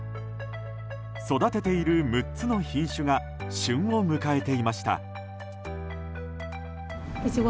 育てている６つの品種が旬を迎えていました。